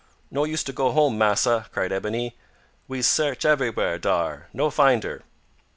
"No use to go home, massa," cried Ebony; "we's sarch eberywhere dar; no find her."